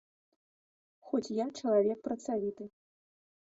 Хоць я чалавек працавіты.